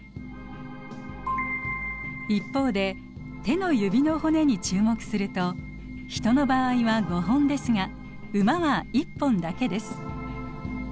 一方で手の指の骨に注目するとヒトの場合は５本ですがウマは１本だけです。